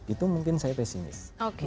itu mungkin saya pesimis